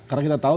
karena kita tahu